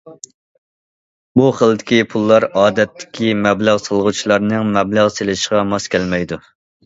بۇ خىلدىكى پۇللار ئادەتتىكى مەبلەغ سالغۇچىلارنىڭ مەبلەغ سېلىشىغا ماس كەلمەيدۇ.